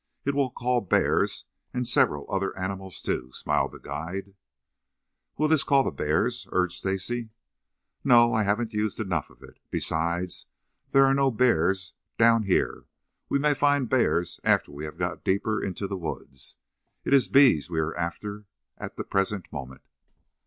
It will call bears and several other animals, too," smiled the guide. "Will this call the bears?" urged Stacy. "No, I haven't used enough of it. Besides, there are no bears down here. We may find bear after we have got deeper into the woods. It is bees we are after at the present moment."